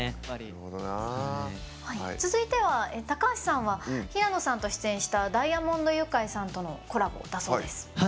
続いては高橋くんさんは平野さんと出演したダイアモンド☆ユカイさんとのコラボだそうです。